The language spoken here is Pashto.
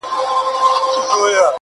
په دوږخ کي هم له تاسي نه خلاصېږو--!